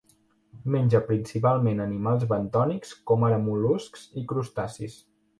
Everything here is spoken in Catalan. Menja principalment animals bentònics, com ara mol·luscs i crustacis.